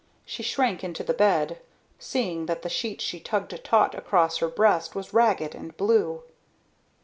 She shrank into the bed, seeing that the sheet she tugged taut across her breast was ragged and blue.